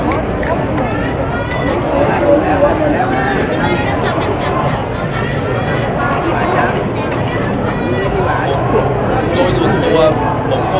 มุมการก็แจ้งแล้วเข้ากลับมานะครับ